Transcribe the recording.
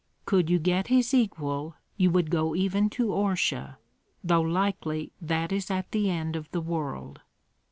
Could you get his equal, you would go even to Orsha, though likely that is at the end of the world."